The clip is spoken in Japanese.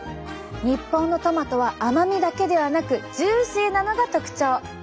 日本のトマトは甘みだけではなくジューシーなのが特徴！